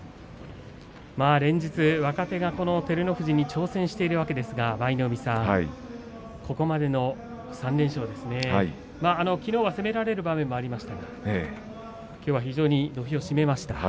連日、若手が照ノ富士に挑戦しているわけですが舞の海さん、ここまでの３連勝きのうは攻められる場面がありましたがきょうは非常に土俵を締めました。